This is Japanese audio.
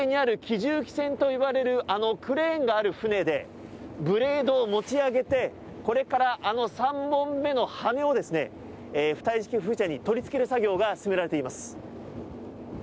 重機船といわれるクレーンがある船でブレードを持ち上げてこれからあの３本目の羽根を浮体式風車に取りつける作業が進められています。